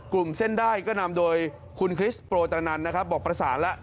กลุ่มเส้นได้ก็นำโดยคุณคริสต์โปรตนันบอกประสานละ